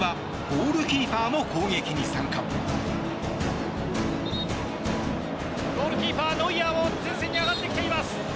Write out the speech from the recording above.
ゴールキーパーノイアーも前線に上がってきています。